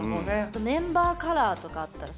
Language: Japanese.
メンバーカラーとかあったら。